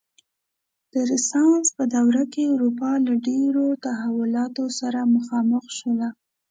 د رنسانس په دوره کې اروپا له ډېرو تحولاتو سره مخامخ شول.